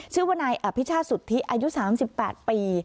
ชื่อว่านายอภิชาสุทธิอายุสามสิบแปดปี